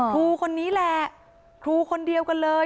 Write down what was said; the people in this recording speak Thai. ครูคนนี้แหละครูคนเดียวกันเลย